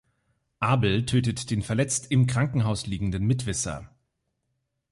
Abel tötet den verletzt im Krankenhaus liegenden Mitwisser.